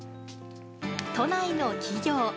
都内の企業。